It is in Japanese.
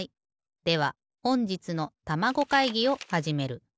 ではほんじつのたまご会議をはじめる。